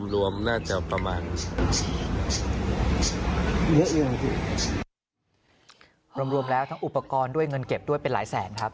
รวมรวมแล้วทั้งอุปกรณ์ด้วยเงินเก็บด้วยเป็นหลายแสนครับ